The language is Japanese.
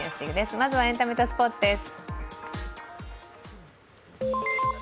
まずはエンタメとスポーツです。